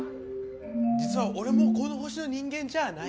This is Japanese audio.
実は俺もこの星の人間じゃない。